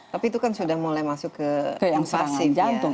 tapi itu kan sudah mulai masuk ke inflasi jantung